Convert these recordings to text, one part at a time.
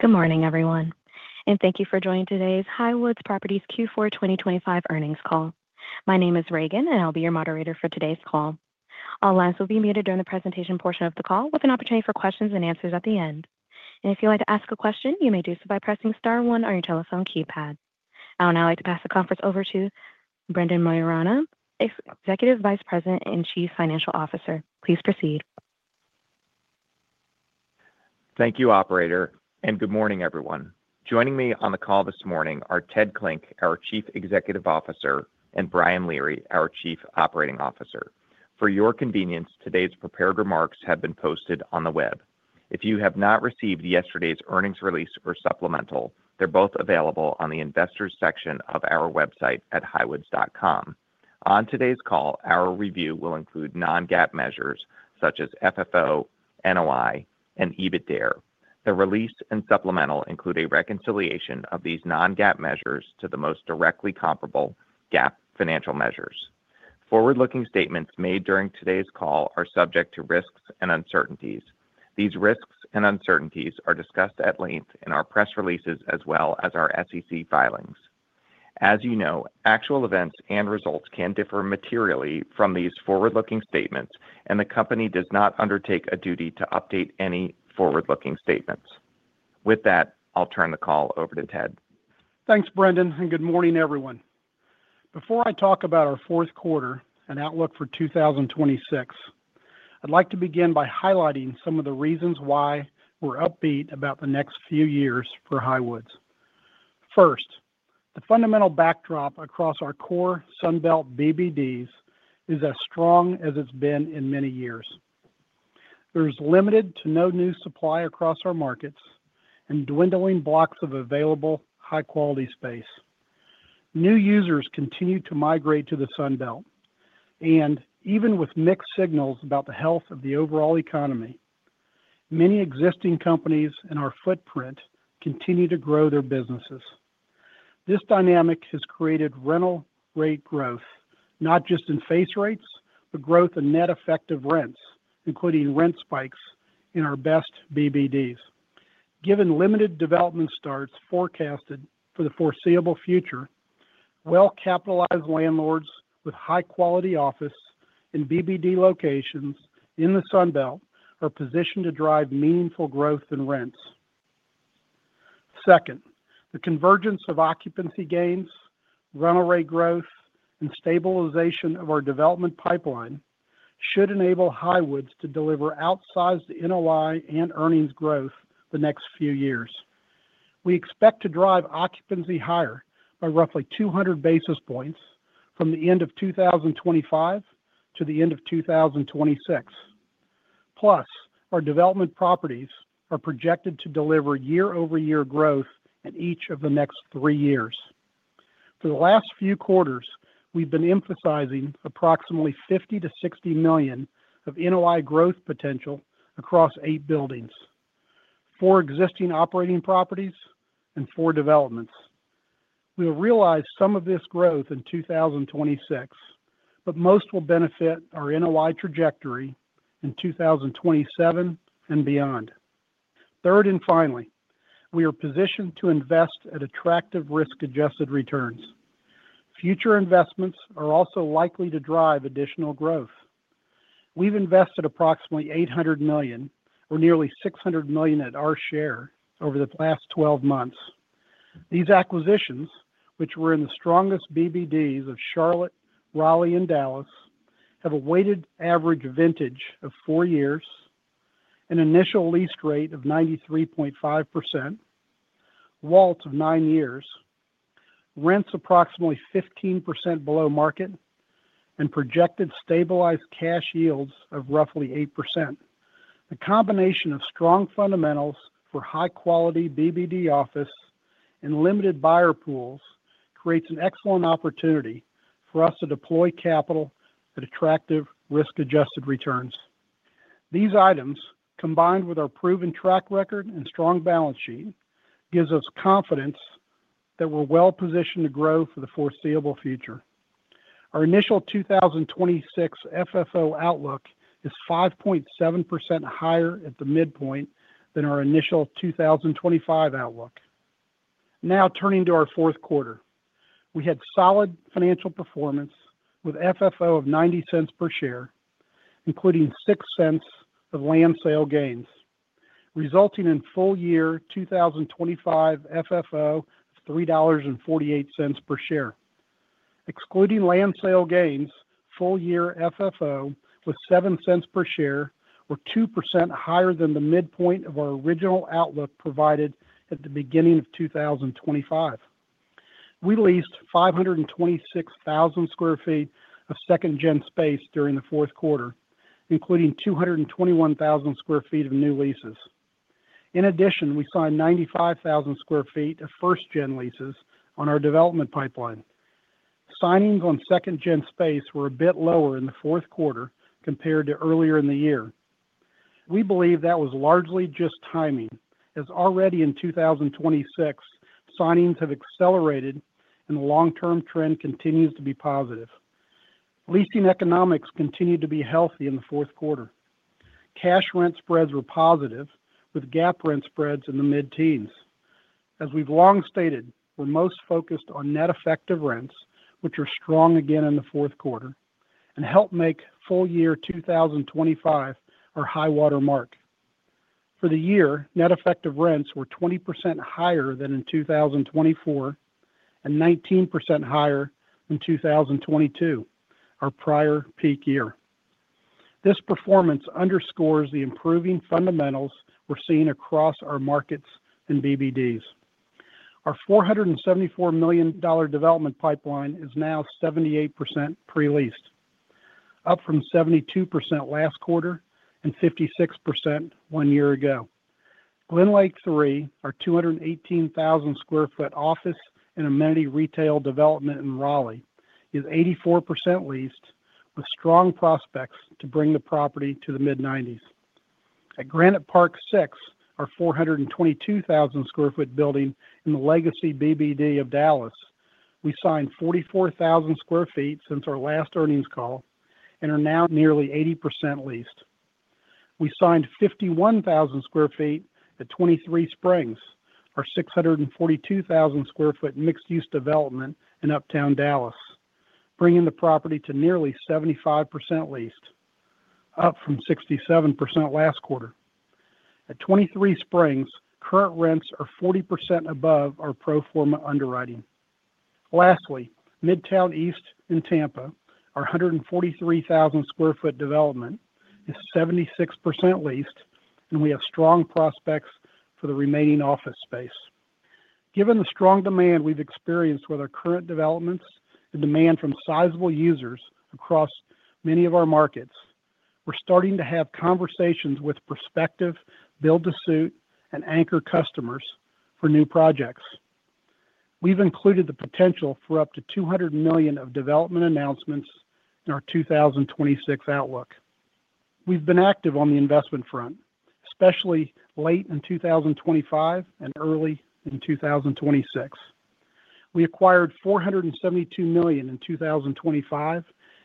Good morning, everyone, and thank you for joining today's Highwoods Properties Q4 2025 earnings call. My name is Reagan, and I'll be your moderator for today's call. All lines will be muted during the presentation portion of the call, with an opportunity for questions and answers at the end. If you'd like to ask a question, you may do so by pressing star one on your telephone keypad. I would now like to pass the conference over to Brendan Maiorana, Executive Vice President and Chief Financial Officer. Please proceed. Thank you, operator, and good morning, everyone. Joining me on the call this morning are Ted Klinck, our Chief Executive Officer, and Brian Leary, our Chief Operating Officer. For your convenience, today's prepared remarks have been posted on the web. If you have not received yesterday's earnings release or supplemental, they're both available on the investors section of our website at highwoods.com. On today's call, our review will include non-GAAP measures such as FFO, NOI, and EBITDA. The release and supplemental include a reconciliation of these non-GAAP measures to the most directly comparable GAAP financial measures. Forward-looking statements made during today's call are subject to risks and uncertainties. These risks and uncertainties are discussed at length in our press releases, as well as our SEC filings. As you know, actual events and results can differ materially from these forward-looking statements, and the company does not undertake a duty to update any forward-looking statements. With that, I'll turn the call over to Ted. Thanks, Brendan, and good morning, everyone. Before I talk about our fourth quarter and outlook for 2026, I'd like to begin by highlighting some of the reasons why we're upbeat about the next few years for Highwoods. First, the fundamental backdrop across our core Sun Belt BBDs is as strong as it's been in many years. There's limited to no new supply across our markets and dwindling blocks of available, high-quality space. New users continue to migrate to the Sun Belt, and even with mixed signals about the health of the overall economy, many existing companies in our footprint continue to grow their businesses. This dynamic has created rental rate growth, not just in face rates, but growth in net effective rents, including rent spikes in our best BBDs. Given limited development starts forecasted for the foreseeable future, well-capitalized landlords with high-quality office and BBD locations in the Sun Belt are positioned to drive meaningful growth in rents. Second, the convergence of occupancy gains, rental rate growth, and stabilization of our development pipeline should enable Highwoods to deliver outsized NOI and earnings growth the next few years. We expect to drive occupancy higher by roughly 200 basis points from the end of 2025 to the end of 2026. Plus, our development properties are projected to deliver year-over-year growth in each of the next three years. For the last few quarters, we've been emphasizing approximately $50 million-$60 million of NOI growth potential across eight buildings, four existing operating properties, and four developments. We will realize some of this growth in 2026, but most will benefit our NOI trajectory in 2027 and beyond. Third, and finally, we are positioned to invest at attractive risk-adjusted returns. Future investments are also likely to drive additional growth. We've invested approximately $800 million, or nearly $600 million at our share, over the past 12 months. These acquisitions, which were in the strongest BBDs of Charlotte, Raleigh, and Dallas, have a weighted average vintage of four years, an initial lease rate of 93.5%, WALTs of 9 years, rents approximately 15% below market, and projected stabilized cash yields of roughly 8%. The combination of strong fundamentals for high-quality BBD office and limited buyer pools creates an excellent opportunity for us to deploy capital at attractive risk-adjusted returns. These items, combined with our proven track record and strong balance sheet, gives us confidence that we're well positioned to grow for the foreseeable future. Our initial 2026 FFO outlook is 5.7% higher at the midpoint than our initial 2025 outlook. Now, turning to our fourth quarter. We had solid financial performance with FFO of $0.90 per share, including $0.06 of land sale gains, resulting in full year 2025 FFO of $3.48 per share. Excluding land sale gains, full year FFO was $0.07 per share, or 2% higher than the midpoint of our original outlook provided at the beginning of 2025. We leased 526,000 sq ft of second-gen space during the fourth quarter, including 221,000 sq ft of new leases. In addition, we signed 95,000 sq ft of first-gen leases on our development pipeline. Signings on second-gen space were a bit lower in the fourth quarter compared to earlier in the year. We believe that was largely just timing, as already in 2026, signings have accelerated and the long-term trend continues to be positive. Leasing economics continued to be healthy in the fourth quarter. Cash rent spreads were positive, with GAAP rent spreads in the mid-teens. As we've long stated, we're most focused on net effective rents, which are strong again in the fourth quarter, and help make full year 2025 our high water mark. For the year, net effective rents were 20% higher than in 2024, and 19% higher than 2022, our prior peak year. This performance underscores the improving fundamentals we're seeing across our markets and BBDs. Our $474 million development pipeline is now 78% pre-leased, up from 72% last quarter and 56% one year ago. Glenlake III, our 218,000 sq ft office and amenity retail development in Raleigh, is 84% leased, with strong prospects to bring the property to the mid-90s. At Granite Park VI, our 422,000 sq ft building in the Legacy BBD of Dallas, we signed 44,000 sq ft since our last earnings call and are now nearly 80% leased. We signed 51,000 sq ft at 23Springs, our 642,000 sq ft mixed-use development in Uptown Dallas, bringing the property to nearly 75% leased, up from 67% last quarter. At 23Springs, current rents are 40% above our pro forma underwriting. Lastly, Midtown East in Tampa, our 143,000 sq ft development, is 76% leased, and we have strong prospects for the remaining office space. Given the strong demand we've experienced with our current developments and demand from sizable users across many of our markets, we're starting to have conversations with prospective build-to-suit and anchor customers for new projects. We've included the potential for up to $200 million of development announcements in our 2026 outlook. We've been active on the investment front, especially late in 2025 and early in 2026. We acquired $472 million in 2025,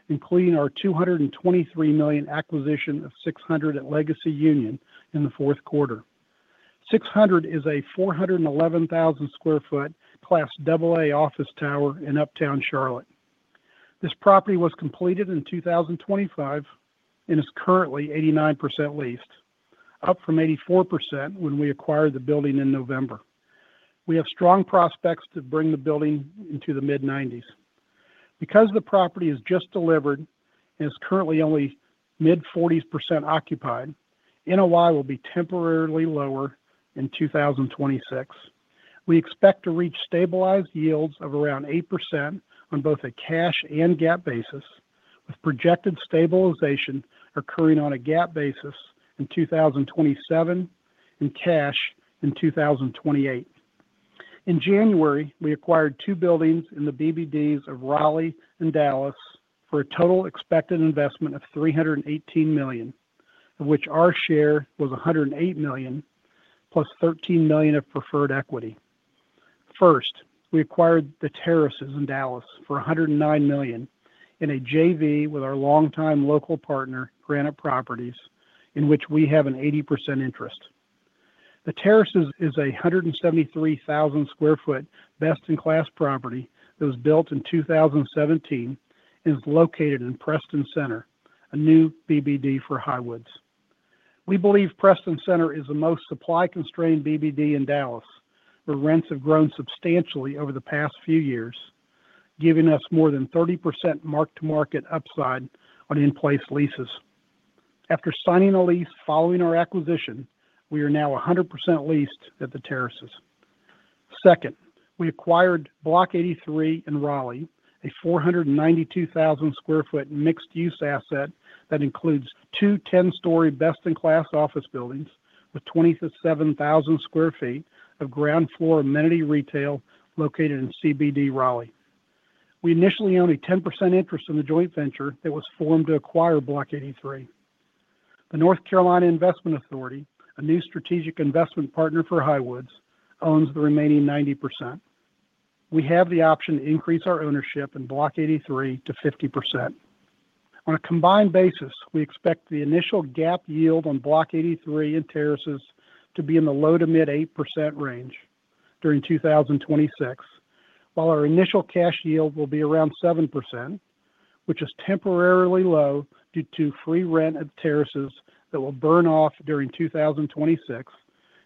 including our $223 million acquisition of 600 at Legacy Union in the fourth quarter. 600 is a 411,000 sq ft Class AA office tower in Uptown Charlotte. This property was completed in 2025 and is currently 89% leased, up from 84% when we acquired the building in November. We have strong prospects to bring the building into the mid-90s%. Because the property is just delivered and is currently only mid-40s% occupied, NOI will be temporarily lower in 2026. We expect to reach stabilized yields of around 8% on both a cash and GAAP basis, with projected stabilization occurring on a GAAP basis in 2027 and cash in 2028. In January, we acquired two buildings in the BBDs of Raleigh and Dallas for a total expected investment of $318 million, of which our share was $108 million, plus $13 million of preferred equity. First, we acquired The Terraces in Dallas for $109 million in a JV with our longtime local partner, Granite Properties, in which we have an 80% interest. The Terraces is a 173,000 sq ft, best-in-class property that was built in 2017 and is located in Preston Center, a new BBD for Highwoods. We believe Preston Center is the most supply-constrained BBD in Dallas, where rents have grown substantially over the past few years, giving us more than 30% mark-to-market upside on in-place leases. After signing a lease following our acquisition, we are now 100% leased at The Terraces. Second, we acquired Block 83 in Raleigh, a 492,000 sq ft mixed-use asset that includes two 10-story best-in-class office buildings with 27,000 sq ft of ground floor amenity retail located in CBD Raleigh. We initially owned a 10% interest in the joint venture that was formed to acquire Block 83. The North Carolina Investment Authority, a new strategic investment partner for Highwoods, owns the remaining 90%. We have the option to increase our ownership in Block 83 to 50%. On a combined basis, we expect the initial GAAP yield on Block 83 and The Terraces to be in the low- to mid-8% range during 2026, while our initial cash yield will be around 7%, which is temporarily low due to free rent at The Terraces that will burn off during 2026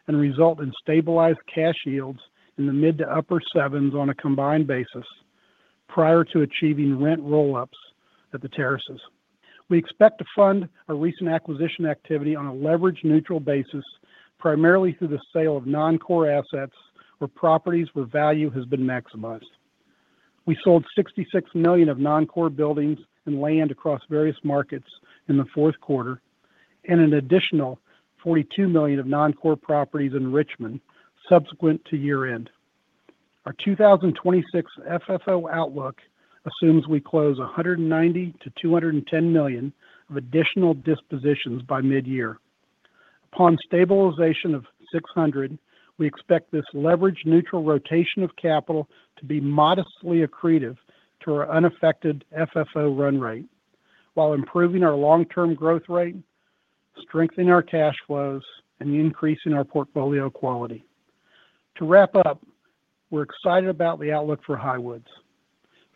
and result in stabilized cash yields in the mid- to upper-7% on a combined basis, prior to achieving rent roll-ups at The Terraces. We expect to fund our recent acquisition activity on a leverage-neutral basis, primarily through the sale of non-core assets or properties where value has been maximized. We sold $66 million of non-core buildings and land across various markets in the fourth quarter and an additional $42 million of non-core properties in Richmond subsequent to year-end. Our 2026 FFO outlook assumes we close $190 million-$210 million of additional dispositions by mid-year. Upon stabilization of 600, we expect this leverage neutral rotation of capital to be modestly accretive to our unaffected FFO run rate, while improving our long-term growth rate, strengthening our cash flows, and increasing our portfolio quality. To wrap up, we're excited about the outlook for Highwoods.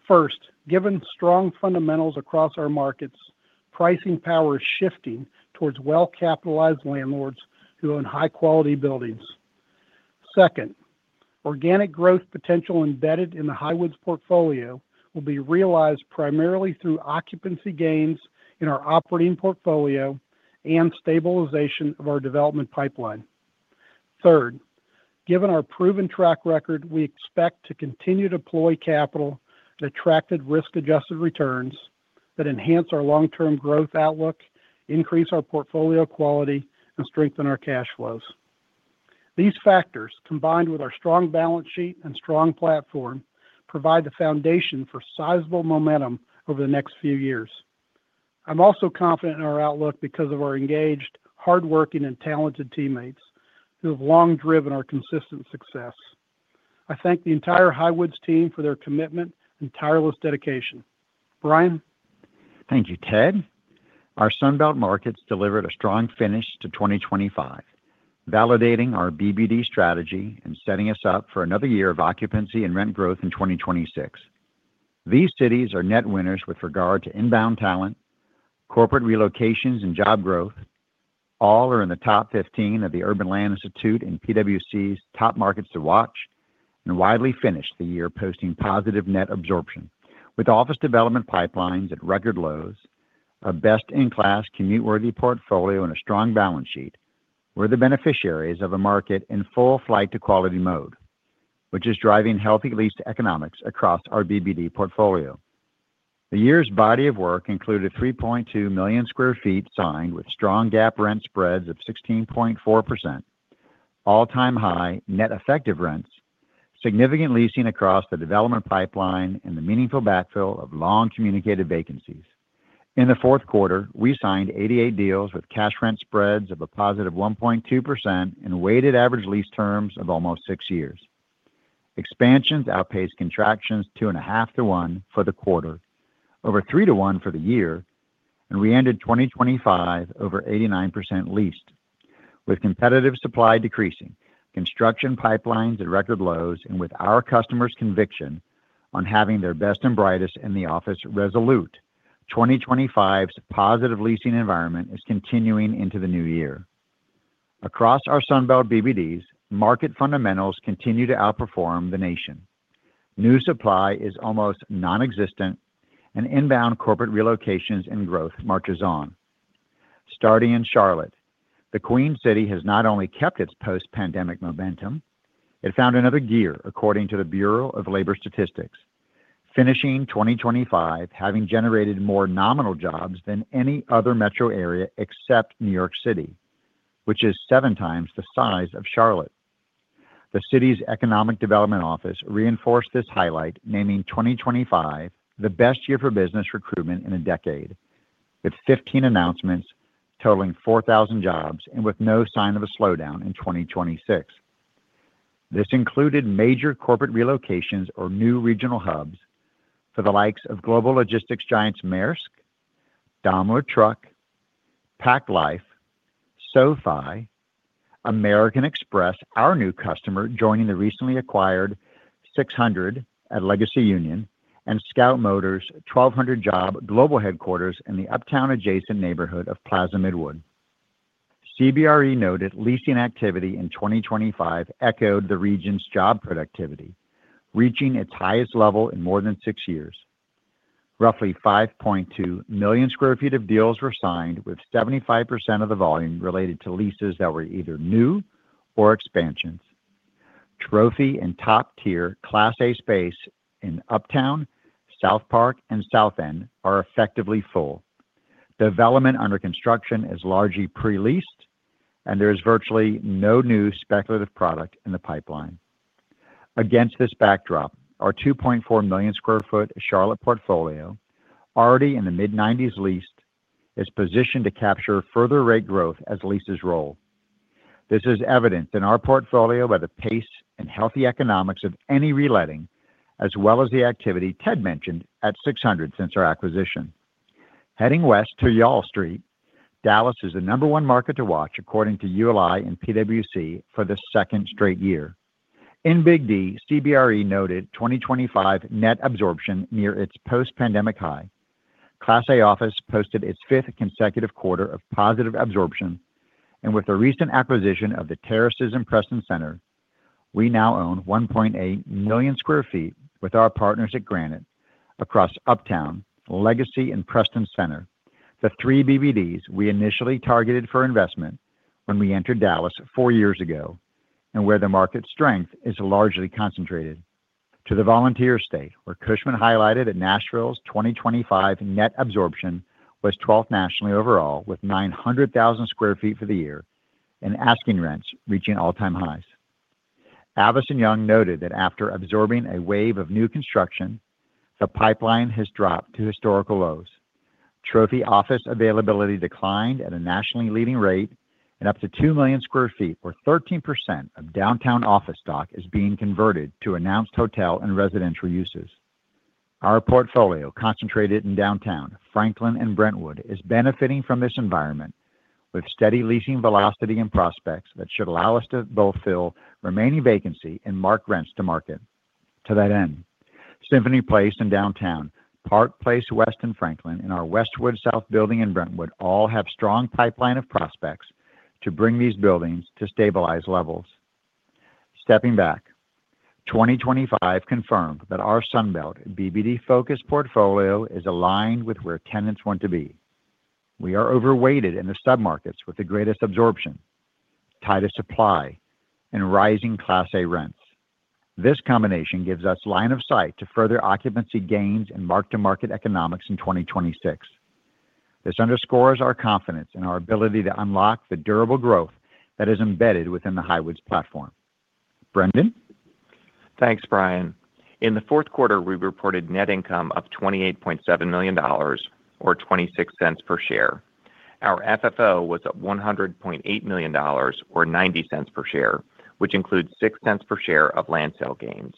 First, given strong fundamentals across our markets, pricing power is shifting towards well-capitalized landlords who own high-quality buildings. Second, organic growth potential embedded in the Highwoods portfolio will be realized primarily through occupancy gains in our operating portfolio and stabilization of our development pipeline. Third, given our proven track record, we expect to continue to deploy capital that attracted risk-adjusted returns that enhance our long-term growth outlook, increase our portfolio quality, and strengthen our cash flows. These factors, combined with our strong balance sheet and strong platform, provide the foundation for sizable momentum over the next few years. I'm also confident in our outlook because of our engaged, hardworking, and talented teammates, who have long driven our consistent success. I thank the entire Highwoods team for their commitment and tireless dedication. Brian? Thank you, Ted. Our Sun Belt markets delivered a strong finish to 2025, validating our BBD strategy and setting us up for another year of occupancy and rent growth in 2026. These cities are net winners with regard to inbound talent, corporate relocations, and job growth. All are in the top 15 of the Urban Land Institute and PwC's top markets to watch, and widely finished the year posting positive net absorption. With office development pipelines at record lows, a best-in-class commute-worthy portfolio, and a strong balance sheet, we're the beneficiaries of a market in full flight to quality mode, which is driving healthy lease economics across our BBD portfolio. The year's body of work included 3.2 million sq ft signed with strong GAAP rent spreads of 16.4%, all-time high net effective rents, significant leasing across the development pipeline, and the meaningful backfill of long-communicated vacancies. In the fourth quarter, we signed 88 deals with cash rent spreads of a positive 1.2% and weighted average lease terms of almost 6 years. Expansions outpaced contractions 2.5-to-1 for the quarter, over 3-to-1 for the year, and we ended 2025 over 89% leased. With competitive supply decreasing, construction pipelines at record lows, and with our customers' conviction on having their best and brightest in the office resolute, 2025's positive leasing environment is continuing into the new year. Across our Sun Belt BBDs, market fundamentals continue to outperform the nation. New supply is almost non-existent, and inbound corporate relocations and growth marches on. Starting in Charlotte, the Queen City has not only kept its post-pandemic momentum, it found another gear, according to the Bureau of Labor Statistics, finishing 2025, having generated more nominal jobs than any other metro area except New York City, which is 7x the size of Charlotte. The city's Economic Development office reinforced this highlight, naming 2025 the best year for business recruitment in a decade, with 15 announcements totaling 4,000 jobs and with no sign of a slowdown in 2026. This included major corporate relocations or new regional hubs for the likes of global logistics giants Maersk, Daimler Truck, PacLife, SoFi, American Express, our new customer, joining the recently acquired 600 at Legacy Union, and Scout Motors' 1,200 job global headquarters in the Uptown adjacent neighborhood of Plaza Midwood. CBRE noted leasing activity in 2025 echoed the region's job productivity, reaching its highest level in more than six years. Roughly 5.2 million sq ft of deals were signed, with 75% of the volume related to leases that were either new or expansions. Trophy and top-tier Class A space in Uptown, SouthPark, and South End are effectively full. Development under construction is largely pre-leased, and there is virtually no new speculative product in the pipeline. Against this backdrop, our 2.4 million sq ft Charlotte portfolio, already in the mid-90s leased, is positioned to capture further rate growth as leases roll. This is evident in our portfolio by the pace and healthy economics of any reletting, as well as the activity Ted mentioned at 600 since our acquisition. Heading west to Y'all Street, Dallas is the number one market to watch, according to ULI and PwC for the second straight year. In Big D, CBRE noted 2025 net absorption near its post-pandemic high. Class A office posted its fifth consecutive quarter of positive absorption, and with the recent acquisition of The Terraces and Preston Center, we now own 1.8 million sq ft with our partners at Granite across Uptown, Legacy, and Preston Center, the three BBDs we initially targeted for investment when we entered Dallas four years ago and where the market strength is largely concentrated. To the Volunteer State, where Cushman highlighted that Nashville's 2025 net absorption was twelfth nationally overall, with 900,000 sq ft for the year and asking rents reaching all-time highs. Avison Young noted that after absorbing a wave of new construction, the pipeline has dropped to historical lows. Trophy office availability declined at a nationally leading rate, and up to 2 million sq ft, or 13% of downtown office stock, is being converted to announced hotel and residential uses. Our portfolio, concentrated in downtown Franklin and Brentwood, is benefiting from this environment with steady leasing velocity and prospects that should allow us to both fill remaining vacancy and mark rents to market. To that end, Symphony Place in downtown, Park Place West in Franklin, and our Westwood South building in Brentwood all have strong pipeline of prospects to bring these buildings to stabilized levels. Stepping back, 2025 confirmed that our Sun Belt BBD-focused portfolio is aligned with where tenants want to be. We are overweighted in the submarkets with the greatest absorption, tighter supply, and rising Class A rents. This combination gives us line of sight to further occupancy gains and mark-to-market economics in 2026. This underscores our confidence in our ability to unlock the durable growth that is embedded within the Highwoods platform. Brendan? Thanks, Brian. In the fourth quarter, we reported net income of $28.7 million, or $0.26 per share. Our FFO was at $100.8 million, or $0.90 per share, which includes $0.06 per share of land sale gains.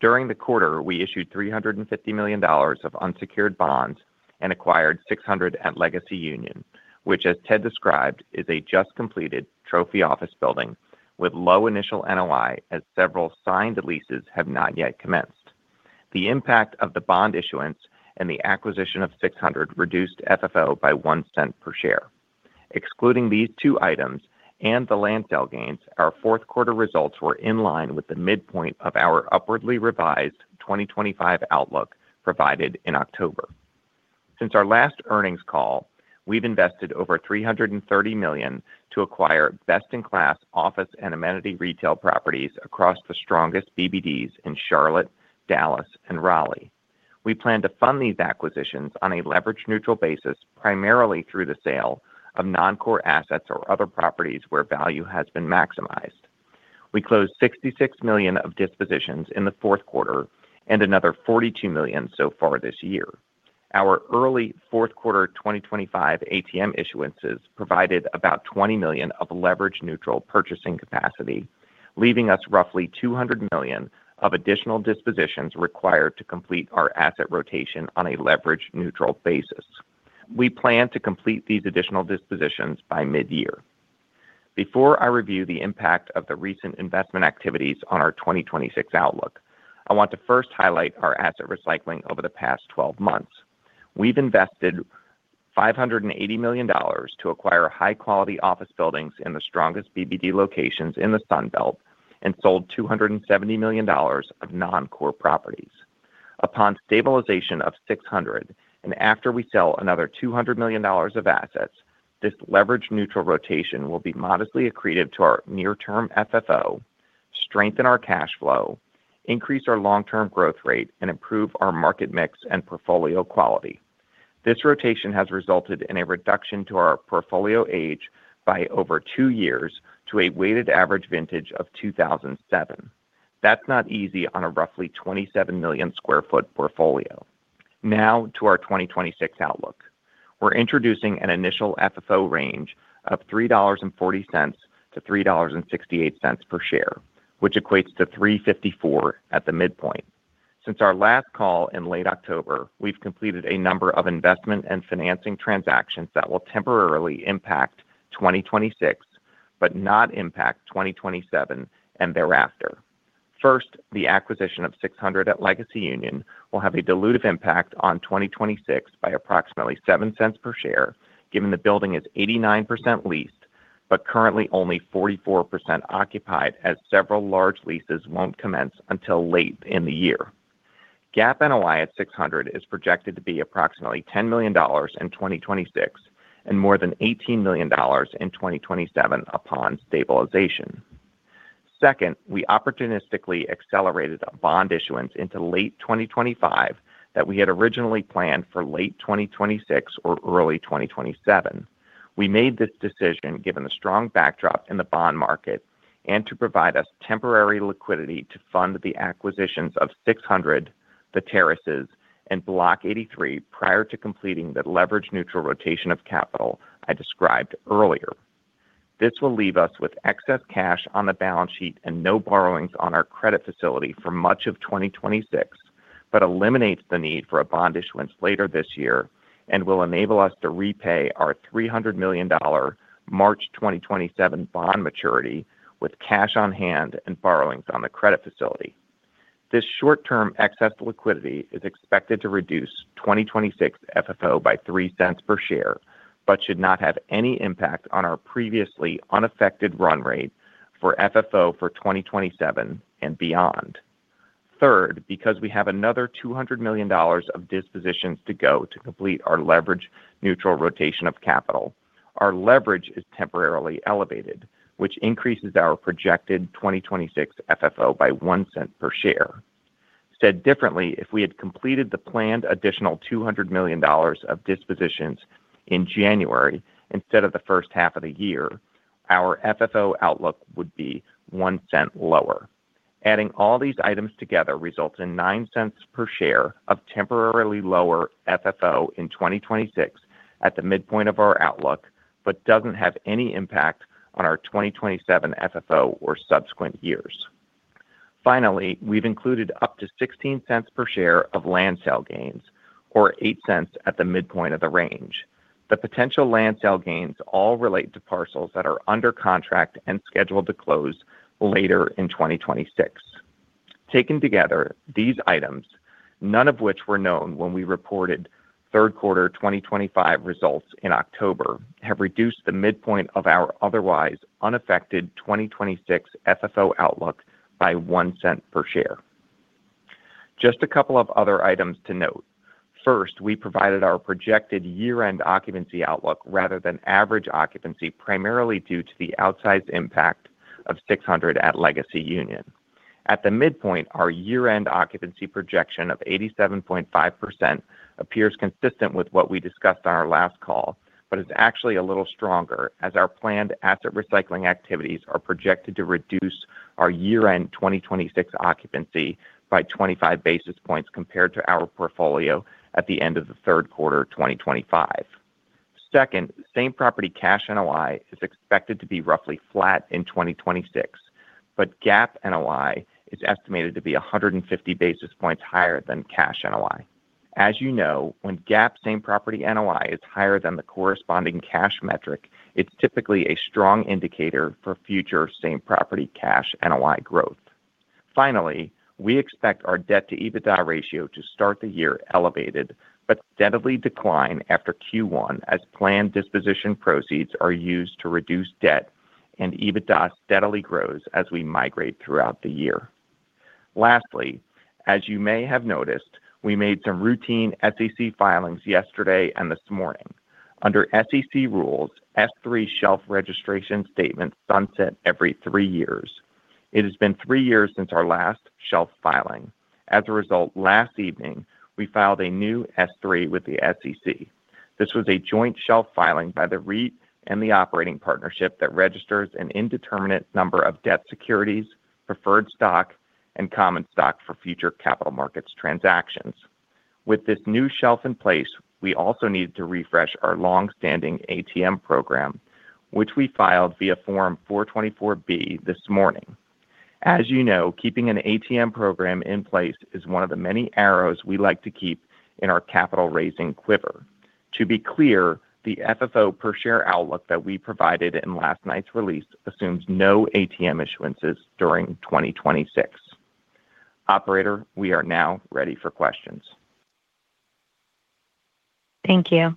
During the quarter, we issued $350 million of unsecured bonds and acquired 600 at Legacy Union, which, as Ted described, is a just-completed trophy office building with low initial NOI, as several signed leases have not yet commenced. The impact of the bond issuance and the acquisition of 600 reduced FFO by $0.01 per share. Excluding these two items and the land sale gains, our fourth quarter results were in line with the midpoint of our upwardly revised 2025 outlook provided in October. Since our last earnings call, we've invested over $330 million to acquire best-in-class office and amenity retail properties across the strongest BBDs in Charlotte, Dallas, and Raleigh. We plan to fund these acquisitions on a leverage-neutral basis, primarily through the sale of non-core assets or other properties where value has been maximized. We closed $66 million of dispositions in the fourth quarter and another $42 million so far this year. Our early fourth quarter 2025 ATM issuances provided about $20 million of leverage-neutral purchasing capacity, leaving us roughly $200 million of additional dispositions required to complete our asset rotation on a leverage-neutral basis. We plan to complete these additional dispositions by mid-year. Before I review the impact of the recent investment activities on our 2026 outlook, I want to first highlight our asset recycling over the past 12 months. We've invested $580 million to acquire high-quality office buildings in the strongest BBD locations in the Sun Belt and sold $270 million of non-core properties. Upon stabilization of 600, and after we sell another $200 million of assets, this leverage-neutral rotation will be modestly accretive to our near-term FFO, strengthen our cash flow, increase our long-term growth rate, and improve our market mix and portfolio quality. This rotation has resulted in a reduction to our portfolio age by over 2 years to a weighted average vintage of 2007. That's not easy on a roughly 27 million sq ft portfolio. Now, to our 2026 outlook. We're introducing an initial FFO range of $3.40-$3.68 per share, which equates to $3.54 at the midpoint. Since our last call in late October, we've completed a number of investment and financing transactions that will temporarily impact 2026, but not impact 2027 and thereafter. First, the acquisition of 600 at Legacy Union will have a dilutive impact on 2026 by approximately $0.07 per share, given the building is 89% leased, but currently only 44% occupied, as several large leases won't commence until late in the year. GAAP NOI at 600 is projected to be approximately $10 million in 2026 and more than $18 million in 2027 upon stabilization. Second, we opportunistically accelerated a bond issuance into late 2025 that we had originally planned for late 2026 or early 2027. We made this decision given the strong backdrop in the bond market and to provide us temporary liquidity to fund the acquisitions of 600, The Terraces, and Block 83 prior to completing the leverage-neutral rotation of capital I described earlier. This will leave us with excess cash on the balance sheet and no borrowings on our credit facility for much of 2026, but eliminates the need for a bond issuance later this year and will enable us to repay our $300 million March 2027 bond maturity with cash on hand and borrowings on the credit facility. This short-term excess liquidity is expected to reduce 2026 FFO by $0.03 per share, but should not have any impact on our previously unaffected run rate for FFO for 2027 and beyond. Third, because we have another $200 million of dispositions to go to complete our leverage-neutral rotation of capital, our leverage is temporarily elevated, which increases our projected 2026 FFO by $0.01 per share. Said differently, if we had completed the planned additional $200 million of dispositions in January instead of the first half of the year, our FFO outlook would be $0.01 lower. Adding all these items together results in $0.09 per share of temporarily lower FFO in 2026 at the midpoint of our outlook, but doesn't have any impact on our 2027 FFO or subsequent years. Finally, we've included up to $0.16 per share of land sale gains, or $0.08 at the midpoint of the range. The potential land sale gains all relate to parcels that are under contract and scheduled to close later in 2026. Taken together, these items, none of which were known when we reported third quarter 2025 results in October, have reduced the midpoint of our otherwise unaffected 2026 FFO outlook by $0.01 per share. Just a couple of other items to note. First, we provided our projected year-end occupancy outlook rather than average occupancy, primarily due to the outsized impact of 600 at Legacy Union. At the midpoint, our year-end occupancy projection of 87.5% appears consistent with what we discussed on our last call, but it's actually a little stronger, as our planned asset recycling activities are projected to reduce our year-end 2026 occupancy by 25 basis points compared to our portfolio at the end of the third quarter, 2025. Second, same property cash NOI is expected to be roughly flat in 2026, but GAAP NOI is estimated to be 150 basis points higher than cash NOI. As you know, when GAAP same property NOI is higher than the corresponding cash metric, it's typically a strong indicator for future same property cash NOI growth. Finally, we expect our debt to EBITDA ratio to start the year elevated, but steadily decline after Q1 as planned disposition proceeds are used to reduce debt and EBITDA steadily grows as we migrate throughout the year. Lastly, as you may have noticed, we made some routine SEC filings yesterday and this morning. Under SEC rules, S-3 shelf registration statements sunset every 3 years. It has been 3 years since our last shelf filing. As a result, last evening, we filed a new S-3 with the SEC. This was a joint shelf filing by the REIT and the operating partnership that registers an indeterminate number of debt securities, preferred stock, and common stock for future capital markets transactions. With this new shelf in place, we also needed to refresh our long-standing ATM program, which we filed via Form 424B this morning. As you know, keeping an ATM program in place is one of the many arrows we like to keep in our capital raising quiver. To be clear, the FFO per share outlook that we provided in last night's release assumes no ATM issuances during 2026. Operator, we are now ready for questions. Thank you.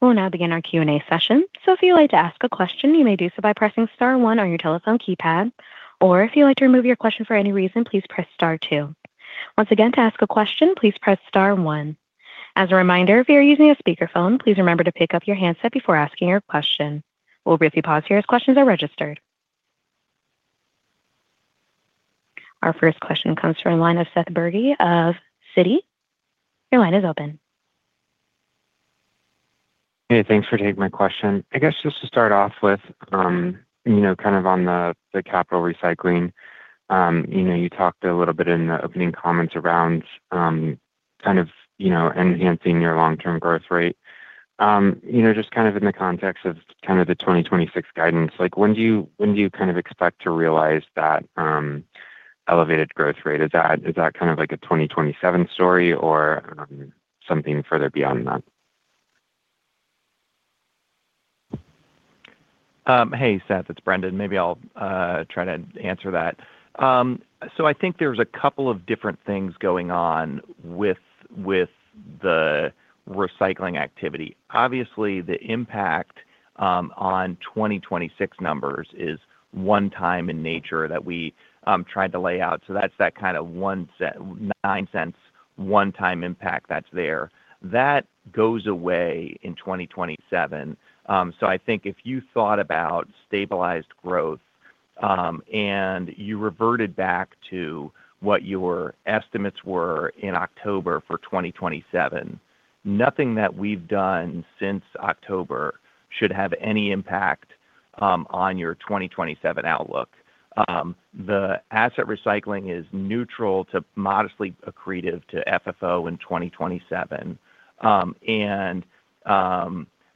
We'll now begin our Q&A session. So if you'd like to ask a question, you may do so by pressing star one on your telephone keypad, or if you'd like to remove your question for any reason, please press star two. Once again, to ask a question, please press star one. As a reminder, if you're using a speakerphone, please remember to pick up your handset before asking your question. We'll briefly pause here as questions are registered. Our first question comes from the line of Seth Bergey of Citi. Your line is open. Hey, thanks for taking my question. I guess just to start off with, you know, kind of on the capital recycling. You know, you talked a little bit in the opening comments around, kind of, you know, enhancing your long-term growth rate. You know, just kind of in the context of the 2026 guidance, like, when do you kind of expect to realize that elevated growth rate? Is that kind of like a 2027 story or something further beyond that? Hey, Seth, it's Brendan. Maybe I'll try to answer that. So I think there's a couple of different things going on with the recycling activity. Obviously, the impact on 2026 numbers is one time in nature that we tried to lay out. So that's that kind of $0.09, one-time impact that's there. That goes away in 2027. So I think if you thought about stabilized growth and you reverted back to what your estimates were in October for 2027, nothing that we've done since October should have any impact on your 2027 outlook. The asset recycling is neutral to modestly accretive to FFO in 2027. And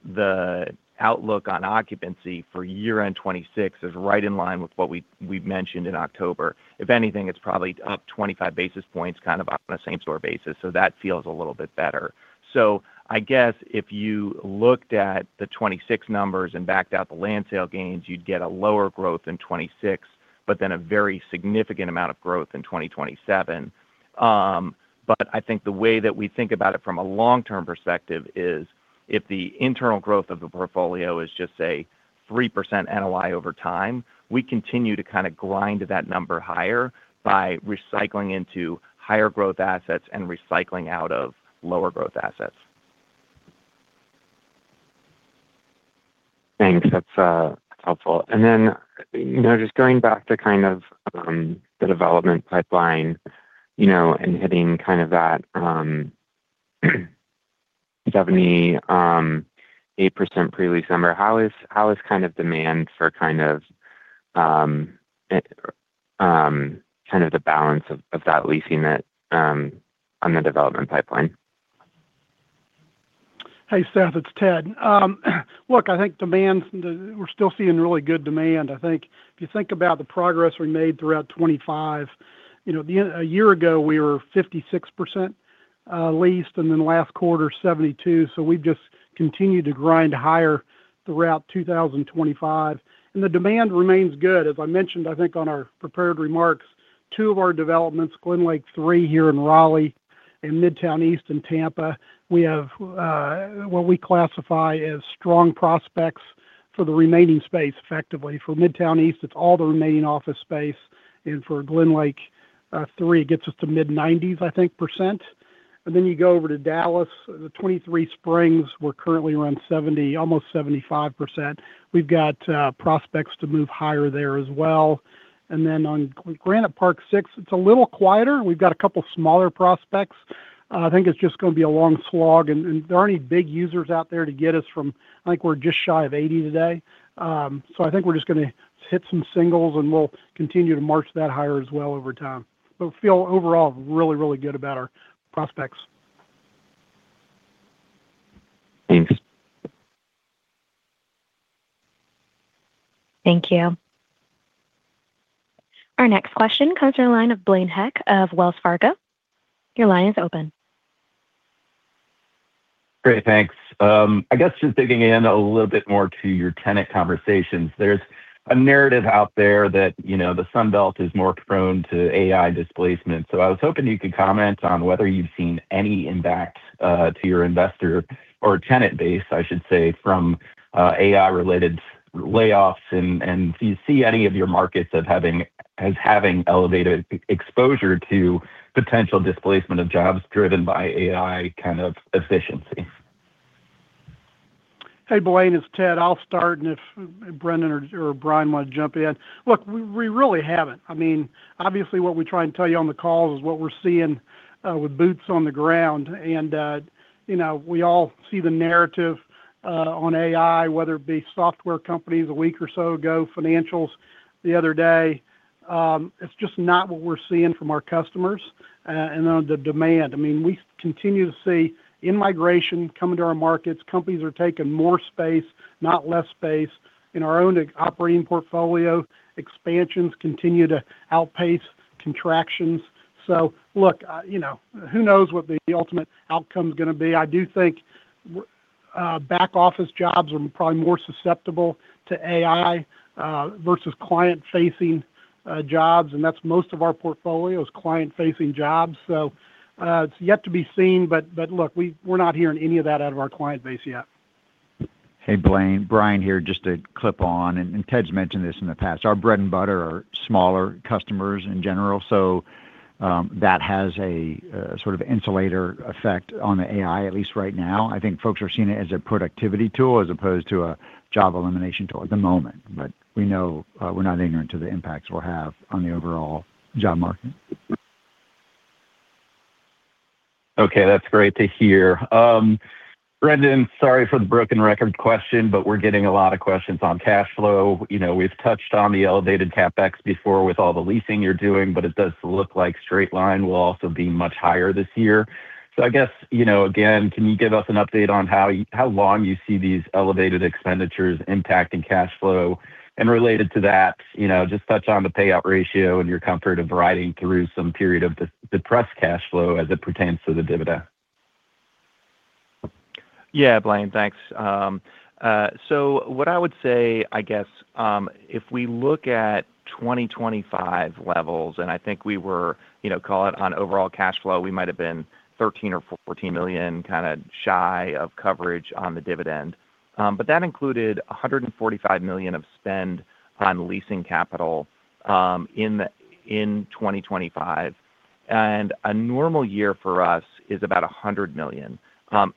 the outlook on occupancy for year-end 2026 is right in line with what we've mentioned in October. If anything, it's probably up 25 basis points, kind of on a same store basis, so that feels a little bit better. So I guess if you looked at the 2026 numbers and backed out the land sale gains, you'd get a lower growth in 2026, but then a very significant amount of growth in 2027. But I think the way that we think about it from a long-term perspective is, if the internal growth of the portfolio is just, say, 3% NOI over time, we continue to kind of grind that number higher by recycling into higher growth assets and recycling out of lower growth assets.... Thanks. That's helpful. And then, you know, just going back to kind of the development pipeline, you know, and hitting kind of that 78% pre-lease number, how is kind of demand for kind of the balance of that leasing that on the development pipeline? Hey, Seth, it's Ted. Look, I think demand, we're still seeing really good demand. I think if you think about the progress we made throughout 25, you know, the, a year ago, we were 56%, leased, and then last quarter, 72. So we've just continued to grind higher throughout 2025, and the demand remains good. As I mentioned, I think, on our prepared remarks, two of our developments, Glenlake III here in Raleigh and Midtown East in Tampa, we have, what we classify as strong prospects for the remaining space, effectively. For Midtown East, it's all the remaining office space, and for Glenlake III, it gets us to mid-90s%, I think. And then you go over to Dallas, the 23Springs, we're currently around 70, almost 75%. We've got, prospects to move higher there as well. Then on Granite Park VI, it's a little quieter, and we've got a couple smaller prospects. I think it's just gonna be a long slog, and there aren't any big users out there to get us from... I think we're just shy of 80 today. So I think we're just gonna hit some singles, and we'll continue to march that higher as well over time. But we feel overall really, really good about our prospects. Thanks. Thank you. Our next question comes from the line of Blaine Heck of Wells Fargo. Your line is open. Great, thanks. I guess just digging in a little bit more to your tenant conversations, there's a narrative out there that, you know, the Sun Belt is more prone to AI displacement. So I was hoping you could comment on whether you've seen any impact to your investor or tenant base, I should say, from AI-related layoffs, and do you see any of your markets as having elevated exposure to potential displacement of jobs driven by AI kind of efficiency? Hey, Blaine, it's Ted. I'll start, and if Brendan or, or Brian want to jump in. Look, we, we really haven't. I mean, obviously, what we try and tell you on the call is what we're seeing with boots on the ground. And, you know, we all see the narrative on AI, whether it be software companies a week or so ago, financials the other day. It's just not what we're seeing from our customers and on the demand. I mean, we continue to see in-migration coming to our markets. Companies are taking more space, not less space. In our own operating portfolio, expansions continue to outpace contractions. So look, you know, who knows what the ultimate outcome's gonna be? I do think back office jobs are probably more susceptible to AI versus client-facing jobs, and that's most of our portfolio is client-facing jobs. So, it's yet to be seen, but look, we're not hearing any of that out of our client base yet. Hey, Blaine, Brian here, just to chime in, and Ted's mentioned this in the past. Our bread and butter are smaller customers in general, so that has a sort of insulator effect on the AI, at least right now. I think folks are seeing it as a productivity tool as opposed to a job elimination tool at the moment. But we know, we're not ignorant to the impacts we'll have on the overall job market. Okay, that's great to hear. Brendan, sorry for the broken record question, but we're getting a lot of questions on cash flow. You know, we've touched on the elevated CapEx before with all the leasing you're doing, but it does look like straight line will also be much higher this year. So I guess, you know, again, can you give us an update on how long you see these elevated expenditures impacting cash flow? And related to that, you know, just touch on the payout ratio and your comfort of riding through some period of depressed cash flow as it pertains to the dividend. Yeah, Blaine, thanks. So what I would say, I guess, if we look at 2025 levels, and I think we were, you know, call it on overall cash flow, we might have been $13 million or $14 million kinda shy of coverage on the dividend. But that included $145 million of spend on leasing capital in 2025. And a normal year for us is about $100 million,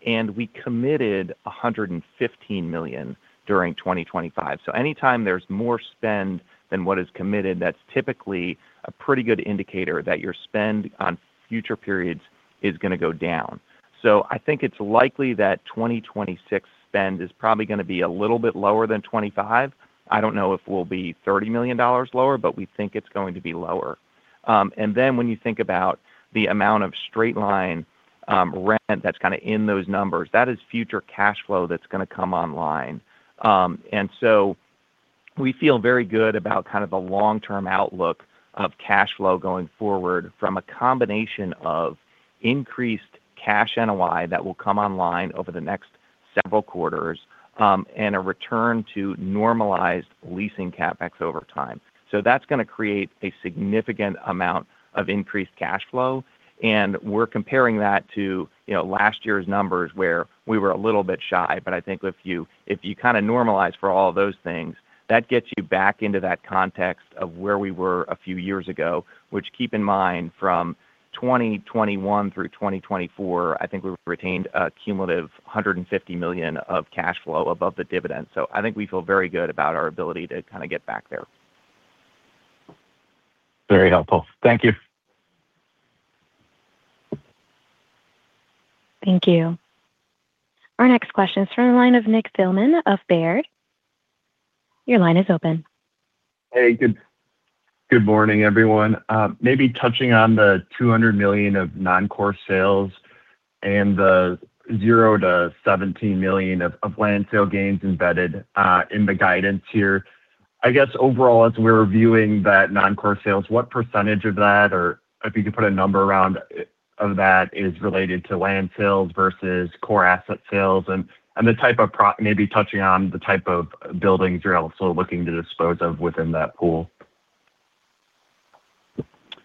and we committed $115 million during 2025. So anytime there's more spend than what is committed, that's typically a pretty good indicator that your spend on future periods is gonna go down. So I think it's likely that 2026 spend is probably gonna be a little bit lower than 25. I don't know if we'll be $30 million lower, but we think it's going to be lower. And then when you think about the amount of straight-line rent that's kinda in those numbers, that is future cash flow that's gonna come online. And so we feel very good about kind of the long-term outlook of cash flow going forward from a combination of increased cash NOI that will come online over the next several quarters, and a return to normalized leasing CapEx over time. So that's gonna create a significant amount of increased cash flow, and we're comparing that to, you know, last year's numbers, where we were a little bit shy. But I think if you, if you kinda normalize for all those things, that gets you back into that context of where we were a few years ago, which keep in mind, from 2021 through 2024, I think we've retained a cumulative $150 million of cash flow above the dividend. So I think we feel very good about our ability to kinda get back there.... Very helpful. Thank you. Thank you. Our next question is from the line of Nick Thillman of Baird. Your line is open. Hey, good, good morning, everyone. Maybe touching on the $200 million of non-core sales and the $0-$17 million of land sale gains embedded in the guidance here. I guess, overall, as we're reviewing that non-core sales, what percentage of that, or if you could put a number around it of that, is related to land sales versus core asset sales? And the type of buildings you're also looking to dispose of within that pool.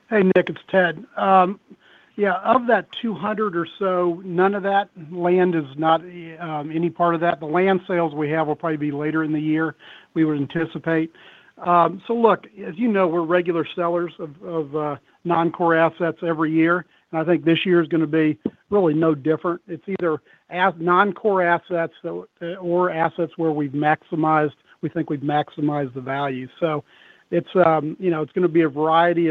Hey, Nick, it's Ted. Yeah, of that 200 or so, none of that land is not any part of that. The land sales we have will probably be later in the year, we would anticipate. So look, as you know, we're regular sellers of non-core assets every year, and I think this year is gonna be really no different. It's either as non-core assets so or assets where we've maximized we think we've maximized the value. So it's, you know, it's gonna be a variety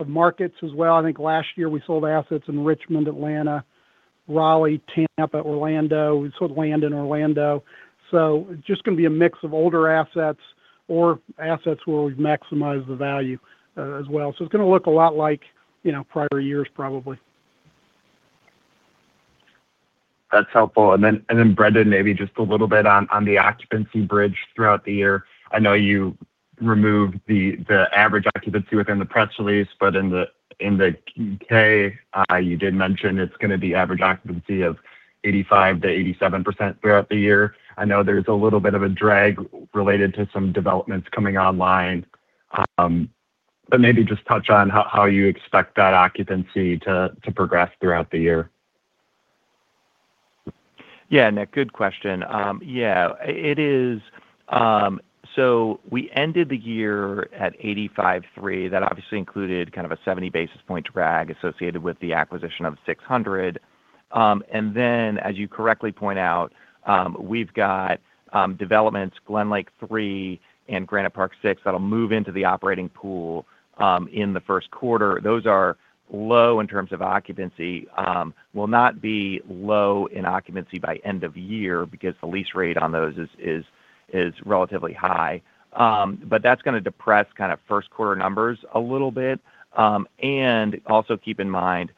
of markets as well. I think last year we sold assets in Richmond, Atlanta, Raleigh, Tampa, Orlando. We sold land in Orlando. So just gonna be a mix of older assets or assets where we've maximized the value, as well. So it's gonna look a lot like, you know, prior years, probably. That's helpful. And then, Brendan, maybe just a little bit on the occupancy bridge throughout the year. I know you removed the average occupancy within the press release, but in the K, you did mention it's gonna be average occupancy of 85%-87% throughout the year. I know there's a little bit of a drag related to some developments coming online, but maybe just touch on how you expect that occupancy to progress throughout the year. Yeah, Nick, good question. Yeah, it is. So we ended the year at 85.3%. That obviously included kind of a 70 basis point drag associated with the acquisition of 600. And then, as you correctly point out, we've got developments, Glenlake 3 and Granite Park VI, that'll move into the operating pool in the first quarter. Those are low in terms of occupancy, will not be low in occupancy by end of year because the lease rate on those is relatively high. But that's gonna depress kind of first quarter numbers a little bit. And also keep in mind,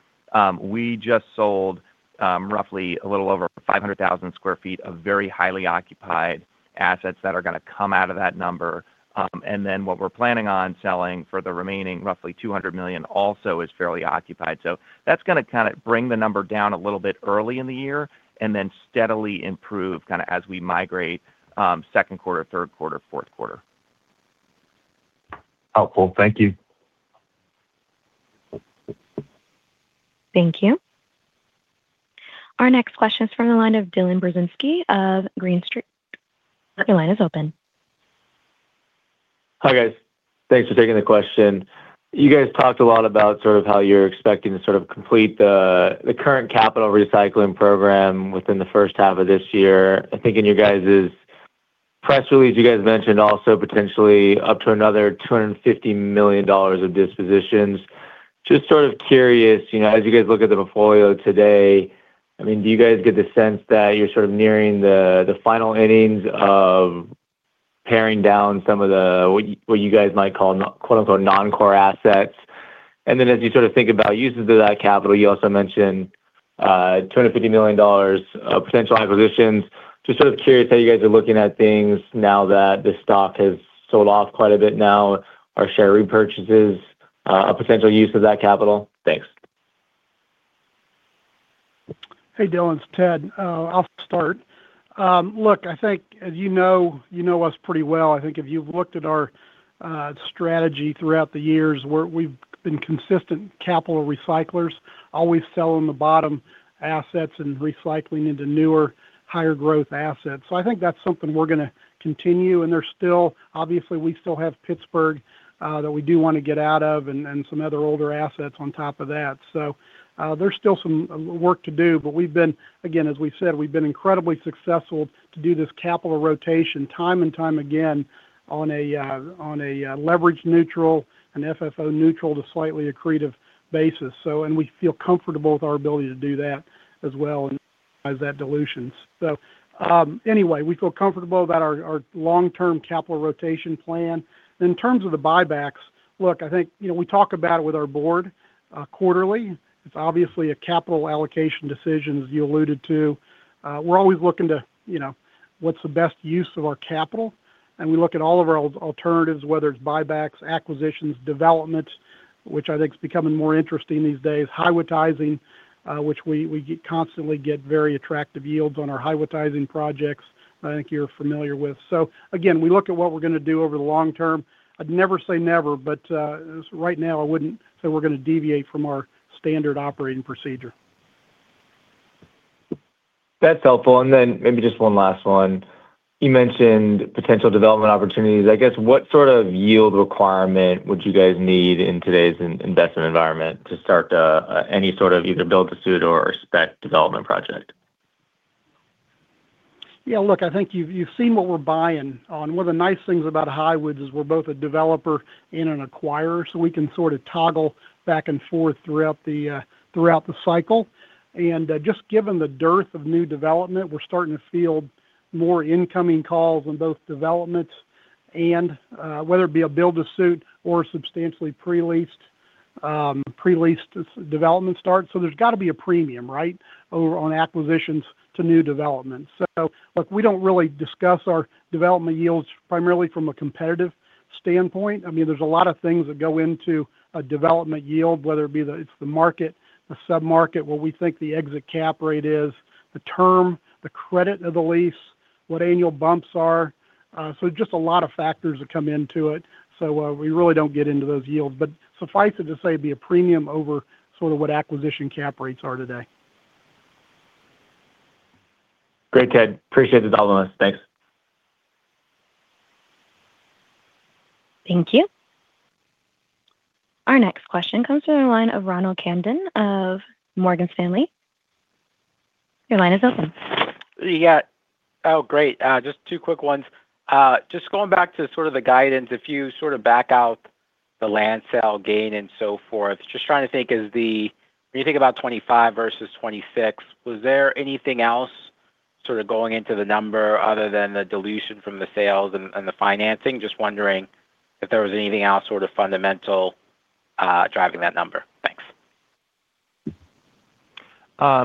we just sold roughly a little over 500,000 sq ft of very highly occupied assets that are gonna come out of that number. And then what we're planning on selling for the remaining, roughly $200 million, also is fairly occupied. So that's gonna kinda bring the number down a little bit early in the year, and then steadily improve kinda as we migrate, second quarter, third quarter, fourth quarter. Helpful. Thank you. Thank you. Our next question is from the line of Dylan Burzinski of Green Street. Your line is open. Hi, guys. Thanks for taking the question. You guys talked a lot about sort of how you're expecting to sort of complete the, the current capital recycling program within the first half of this year. I think in you guys' press release, you guys mentioned also potentially up to another $250 million of dispositions. Just sort of curious, you know, as you guys look at the portfolio today, I mean, do you guys get the sense that you're sort of nearing the, the final innings of paring down some of the, what you, what you guys might call, "non-core assets?" And then as you sort of think about uses of that capital, you also mentioned, $250 million of potential acquisitions. Just sort of curious how you guys are looking at things now that the stock has sold off quite a bit now. Are share repurchases a potential use of that capital? Thanks. Hey, Dylan, it's Ted. I'll start. Look, I think as you know, you know us pretty well. I think if you've looked at our strategy throughout the years, we're—we've been consistent capital recyclers, always selling the bottom assets and recycling into newer, higher growth assets. So I think that's something we're gonna continue, and there's still—obviously, we still have Pittsburgh that we do want to get out of, and some other older assets on top of that. So, there's still some work to do, but we've been, again, as we've said, we've been incredibly successful to do this capital rotation time and time again on a leverage neutral and FFO neutral to slightly accretive basis. So—and we feel comfortable with our ability to do that as well and as that dilutions. So, anyway, we feel comfortable about our long-term capital rotation plan. In terms of the buybacks, look, I think, you know, we talk about it with our board quarterly. It's obviously a capital allocation decision, as you alluded to. We're always looking to, you know, what's the best use of our capital, and we look at all of our alternatives, whether it's buybacks, acquisitions, developments, which I think is becoming more interesting these days, repositioning, which we constantly get very attractive yields on our repositioning projects, I think you're familiar with. So again, we look at what we're gonna do over the long term. I'd never say never, but right now, I wouldn't say we're gonna deviate from our standard operating procedure. That's helpful. And then maybe just one last one. You mentioned potential development opportunities. I guess, what sort of yield requirement would you guys need in today's investment environment to start any sort of either build-to-suit or spec development project?... Yeah, look, I think you've seen what we're buying on. One of the nice things about Highwoods is we're both a developer and an acquirer, so we can sort of toggle back and forth throughout the cycle. And just given the dearth of new development, we're starting to field more incoming calls on both developments and whether it be a build-to-suit or substantially pre-leased development start. So there's got to be a premium, right, over on acquisitions to new developments. So look, we don't really discuss our development yields primarily from a competitive standpoint. I mean, there's a lot of things that go into a development yield, whether it be it's the market, the sub-market, what we think the exit cap rate is, the term, the credit of the lease, what annual bumps are. Just a lot of factors that come into it. We really don't get into those yields. But suffice it to say, it'd be a premium over sort of what acquisition cap rates are today. Great, Ted. Appreciate it all. Thanks. Thank you. Our next question comes from the line of Ronald Kamden of Morgan Stanley. Your line is open. Yeah. Oh, great. Just two quick ones. Just going back to sort of the guidance, if you sort of back out the land sale gain and so forth. Just trying to think, is the—when you think about 25 versus 26, was there anything else sort of going into the number other than the dilution from the sales and, and the financing? Just wondering if there was anything else sort of fundamental, uh, driving that number. Thanks.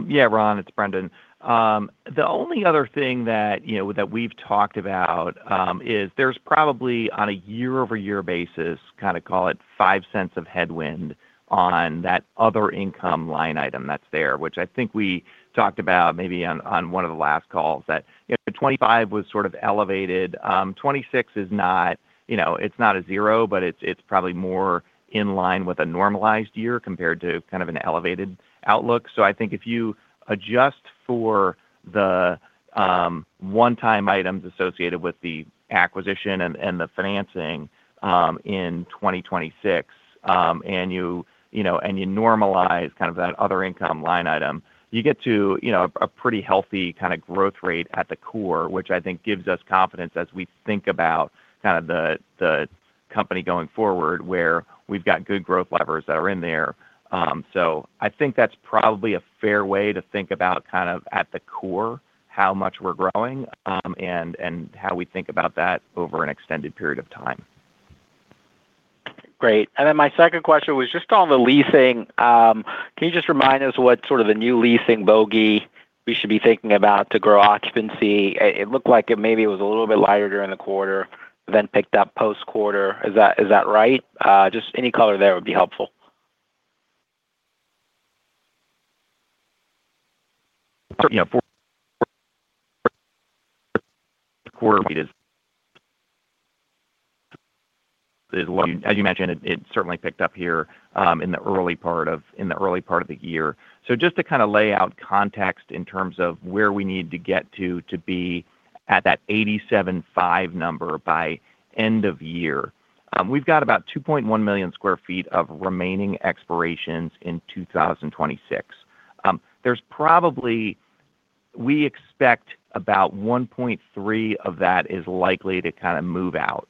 Yeah, Ron, it's Brendan. The only other thing that, you know, that we've talked about, is there's probably on a year-over-year basis, kind of call it $0.05 of headwind on that other income line item that's there, which I think we talked about maybe on, on one of the last calls, that if the 2025 was sort of elevated, 2026 is not, you know, it's not a zero, but it's, it's probably more in line with a normalized year compared to kind of an elevated outlook. So I think if you adjust for the one-time items associated with the acquisition and the financing in 2026, and you know, and you normalize kind of that other income line item, you get to you know, a pretty healthy kind of growth rate at the core, which I think gives us confidence as we think about kind of the company going forward, where we've got good growth levers that are in there. So I think that's probably a fair way to think about kind of at the core, how much we're growing, and how we think about that over an extended period of time. Great. And then my second question was just on the leasing. Can you just remind us what sort of the new leasing bogey we should be thinking about to grow occupancy? It looked like it maybe was a little bit lighter during the quarter, then picked up post-quarter. Is that right? Just any color there would be helpful. You know, as you mentioned, it certainly picked up here in the early part of the year. So just to kind of lay out context in terms of where we need to get to, to be at that 87.5 number by end of year. We've got about 2.1 million sq ft of remaining expirations in 2026. There's probably, we expect about 1.3 of that is likely to kind of move out.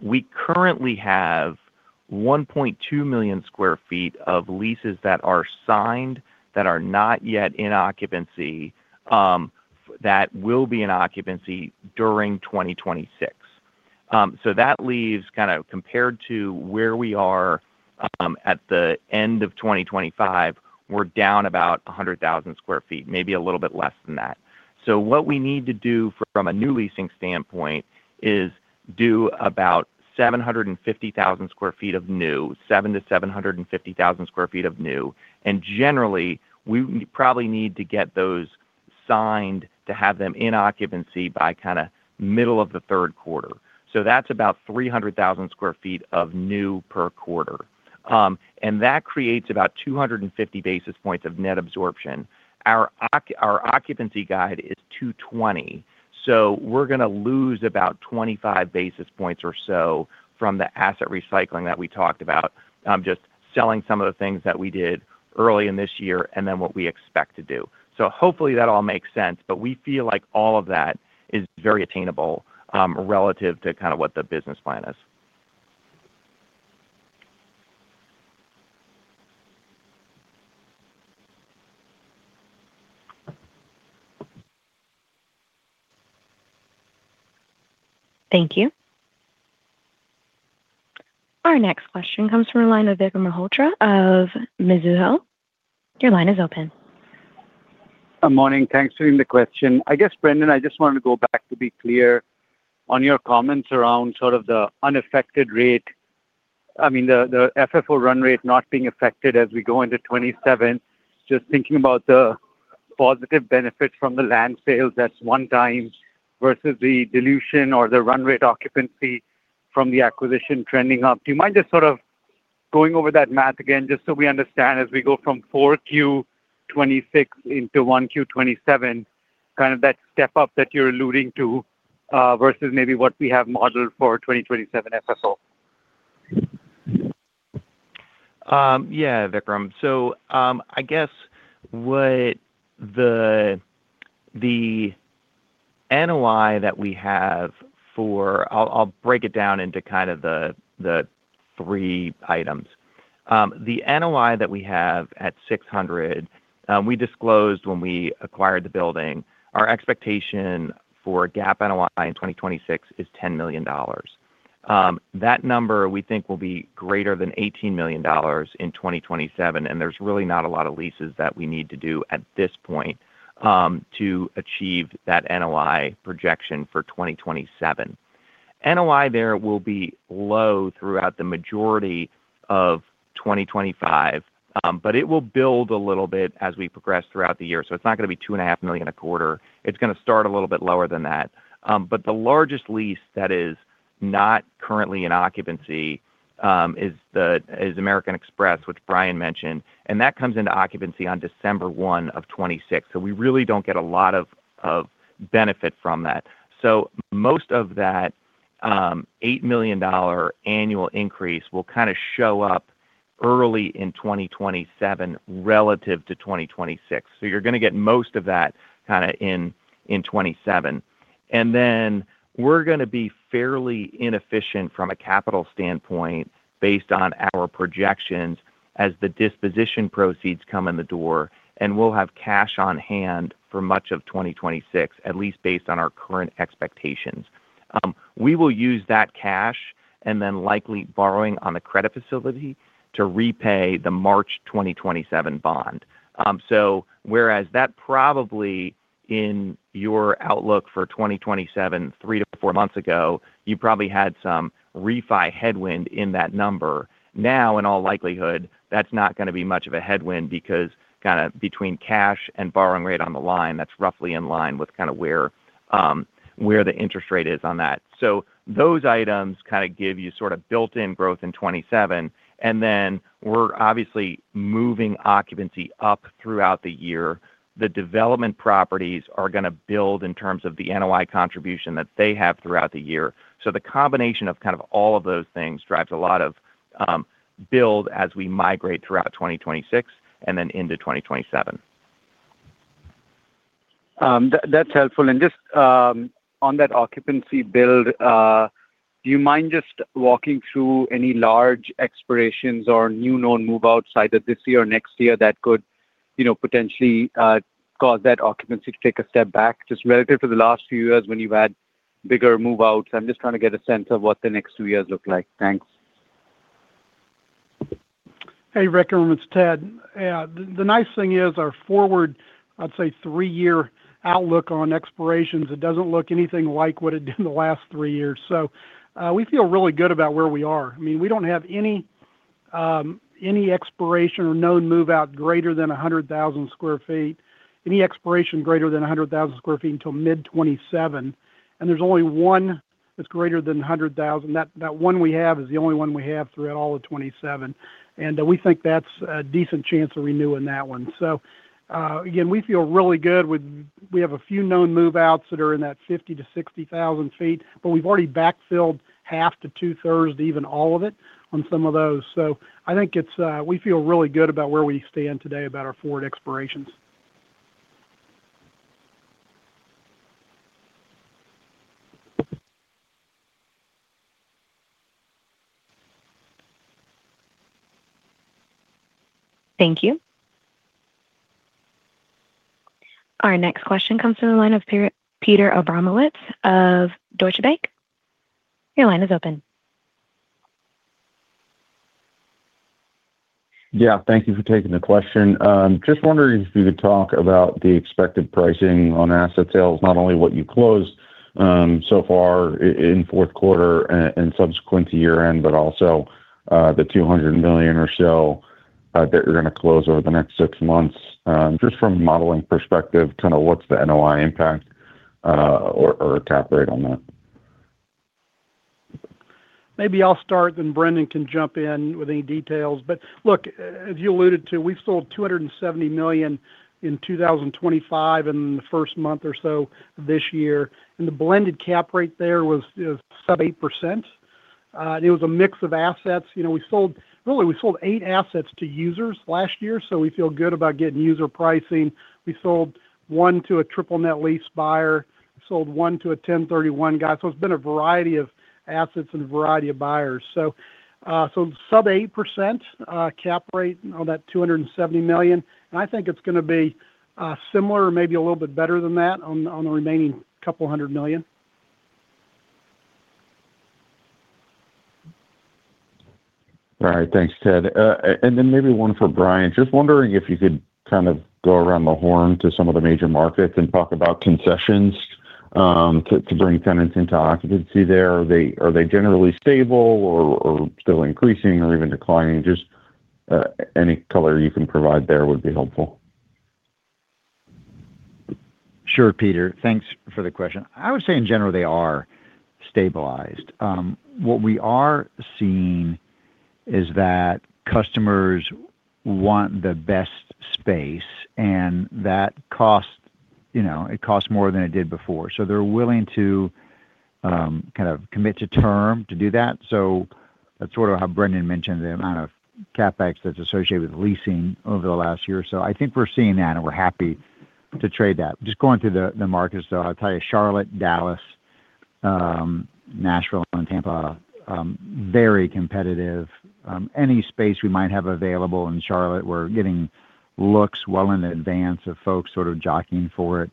We currently have 1.2 million sq ft of leases that are signed, that are not yet in occupancy, that will be in occupancy during 2026. So that leaves kind of compared to where we are, at the end of 2025, we're down about 100,000 sq ft, maybe a little bit less than that. So what we need to do from a new leasing standpoint is do about 750,000 sq ft of new, 700,000-750,000 sq ft of new, and generally, we probably need to get those signed to have them in occupancy by kind of middle of the third quarter. So that's about 300,000 sq ft of new per quarter. And that creates about 250 basis points of net absorption. Our occupancy guide is 220, so we're gonna lose about 25 basis points or so from the asset recycling that we talked about, just selling some of the things that we did early in this year and then what we expect to do. Hopefully that all makes sense, but we feel like all of that is very attainable, relative to kind of what the business plan is. Thank you. Our next question comes from the line of Vikram Malhotra of Mizuho. Your line is open. Good morning. Thanks for taking the question. I guess, Brendan, I just wanted to go back to be clear on your comments around sort of the unaffected rate. I mean, the FFO run rate not being affected as we go into 2027. Just thinking about the positive benefits from the land sales, that's one time, versus the dilution or the run rate occupancy from the acquisition trending up. Do you mind just sort of going over that math again, just so we understand as we go from Q4 2026 into Q1 2027, kind of that step up that you're alluding to, versus maybe what we have modeled for 2027 FFO?... Yeah, Vikram. So, I guess what the NOI that we have for. I'll break it down into kind of the three items. The NOI that we have at 600, we disclosed when we acquired the building, our expectation for GAAP NOI in 2026 is $10 million. That number, we think, will be greater than $18 million in 2027, and there's really not a lot of leases that we need to do at this point to achieve that NOI projection for 2027. NOI there will be low throughout the majority of 2025, but it will build a little bit as we progress throughout the year. So it's not gonna be $2.5 million a quarter. It's gonna start a little bit lower than that. But the largest lease that is not currently in occupancy is the, is American Express, which Brian mentioned, and that comes into occupancy on December 1, 2026. So we really don't get a lot of, of benefit from that. So most of that, eight million dollar annual increase will kind of show up early in 2027 relative to 2026. So you're gonna get most of that kinda in, in 2027. And then we're gonna be fairly inefficient from a capital standpoint based on our projections as the disposition proceeds come in the door, and we'll have cash on hand for much of 2026, at least based on our current expectations. We will use that cash, and then likely borrowing on the credit facility to repay the March 2027 bond. So whereas that probably in your outlook for 2027, 3-4 months ago, you probably had some refi headwind in that number. Now, in all likelihood, that's not gonna be much of a headwind because kinda between cash and borrowing rate on the line, that's roughly in line with kinda where, where the interest rate is on that. So those items kinda give you sort of built-in growth in 2027, and then we're obviously moving occupancy up throughout the year. The development properties are gonna build in terms of the NOI contribution that they have throughout the year. So the combination of kind of all of those things drives a lot of, build as we migrate throughout 2026 and then into 2027. That's helpful. And just, on that occupancy build, do you mind just walking through any large expirations or new known move outside of this year or next year that could, you know, potentially, cause that occupancy to take a step back, just relative to the last few years when you've had bigger move-outs? I'm just trying to get a sense of what the next two years look like. Thanks. Hey, Vikram, it's Ted. The nice thing is our forward, I'd say, three-year outlook on expirations, it doesn't look anything like what it did in the last three years. So, we feel really good about where we are. I mean, we don't have any expiration or known move-out greater than 100,000 sq ft, any expiration greater than 100,000 sq ft until mid-2027, and there's only one that's greater than 100,000 sq ft. That one we have is the only one we have throughout all of 2027, and we think that's a decent chance of renewing that one. So, again, we feel really good. We have a few known move-outs that are in that 50,000-60,000 sq ft, but we've already backfilled half to two-thirds, even all of it, on some of those. So I think it's. We feel really good about where we stand today about our forward expirations. Thank you. Our next question comes from the line of Peter, Peter Abramowitz of Deutsche Bank. Your line is open. Yeah. Thank you for taking the question. Just wondering if you could talk about the expected pricing on asset sales, not only what you closed, so far in fourth quarter and subsequent to year-end, but also, the $200 million or so, that you're gonna close over the next six months. Just from a modeling perspective, kinda what's the NOI impact, or, or cap rate on that? Maybe I'll start, then Brendan can jump in with any details. But look, as you alluded to, we sold $270 million in 2025, in the first month or so this year, and the blended cap rate there was sub-8%. It was a mix of assets. You know, we sold—really, we sold 8 assets to users last year, so we feel good about getting user pricing. We sold 1 to a triple net lease buyer, sold 1 to a 1031 guy. So it's been a variety of assets and a variety of buyers. So, so sub-8%, cap rate on that $270 million, and I think it's gonna be similar or maybe a little bit better than that on the remaining couple hundred million. All right. Thanks, Ted. And then maybe one for Brian. Just wondering if you could kind of go around the horn to some of the major markets and talk about concessions to bring tenants into occupancy there. Are they generally stable or still increasing or even declining? Just any color you can provide there would be helpful. Sure, Peter. Thanks for the question. I would say, in general, they are stabilized. What we are seeing is that customers want the best space, and that costs, you know, it costs more than it did before. So they're willing to-... kind of commit to term to do that. So that's sort of how Brendan mentioned the amount of CapEx that's associated with leasing over the last year. So I think we're seeing that, and we're happy to trade that. Just going through the markets, though, I'll tell you, Charlotte, Dallas, Nashville, and Tampa very competitive. Any space we might have available in Charlotte, we're getting looks well in advance of folks sort of jockeying for it.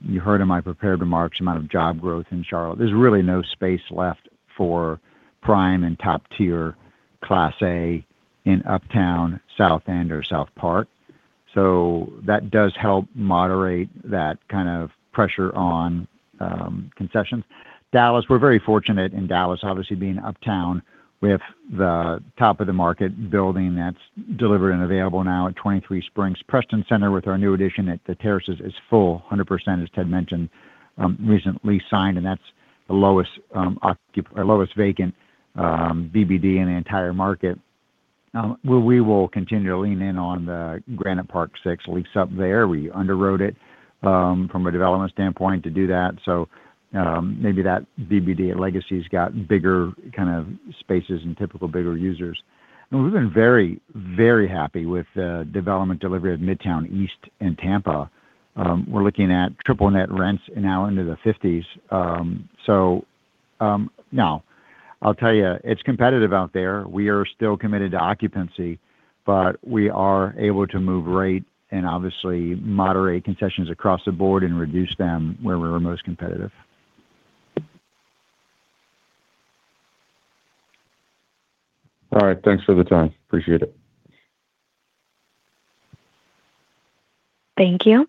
You heard in my prepared remarks, the amount of job growth in Charlotte. There's really no space left for prime and top-tier Class A in Uptown, South End, or South Park. So that does help moderate that kind of pressure on concessions. Dallas, we're very fortunate in Dallas. Obviously, being Uptown, we have the top of the market building that's delivered and available now at 23Springs. Preston Center, with our new addition at The Terraces, is full 100%, as Ted mentioned, recently signed, and that's the lowest vacant BBD in the entire market. Well, we will continue to lean in on the Granite Park VI lease up there. We underwrote it from a development standpoint to do that. So, maybe that BBD at Legacy's got bigger kind of spaces and typical bigger users. And we've been very, very happy with the development delivery of Midtown East and Tampa. We're looking at triple net rents now into the $50s. So, now, I'll tell you, it's competitive out there. We are still committed to occupancy, but we are able to move rate and obviously moderate concessions across the board and reduce them where we were most competitive. All right. Thanks for the time. Appreciate it. Thank you.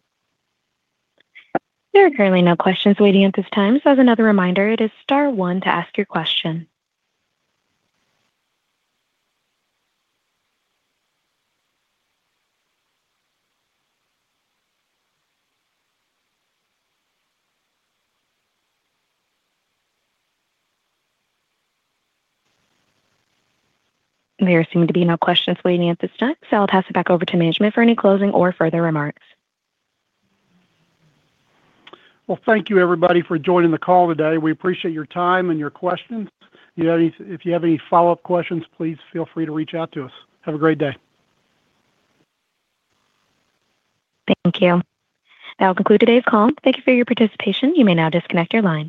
There are currently no questions waiting at this time. So as another reminder, it is star one to ask your question. There seem to be no questions waiting at this time, so I'll pass it back over to management for any closing or further remarks. Well, thank you, everybody, for joining the call today. We appreciate your time and your questions. If you have any, if you have any follow-up questions, please feel free to reach out to us. Have a great day. Thank you. That will conclude today's call. Thank you for your participation. You may now disconnect your line.